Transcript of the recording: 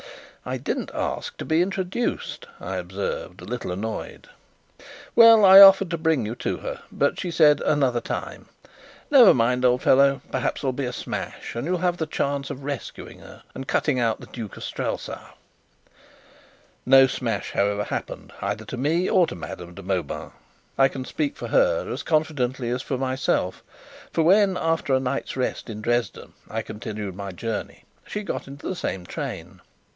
"I didn't ask to be introduced," I observed, a little annoyed. "Well, I offered to bring you to her; but she said, 'Another time.' Never mind, old fellow, perhaps there'll be a smash, and you'll have a chance of rescuing her and cutting out the Duke of Strelsau!" No smash, however, happened, either to me or to Madame de Mauban. I can speak for her as confidently as for myself; for when, after a night's rest in Dresden, I continued my journey, she got into the same train.